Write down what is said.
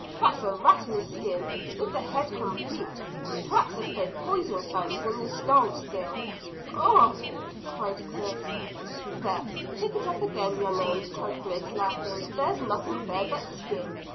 "That's a rattler's skin, with the head complete. P'r'aps there's both poison fangs in the skull still." "Ugh!" cried Chris. "There, pick it up again, young un," cried Griggs, laughing. "There's nothing there but skin.